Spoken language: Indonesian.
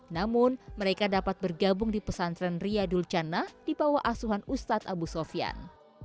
namun mereka dapat bergabung di pesantren ria dulcana di bawah asuhan ustadz abu sofyan